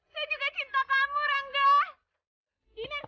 gue kawin dulu ya